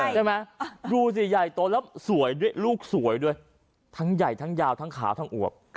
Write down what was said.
ใช่ไหมดูสิใหญ่โตแล้วสวยด้วยลูกสวยด้วยทั้งใหญ่ทั้งยาวทั้งขาวทั้งอวบ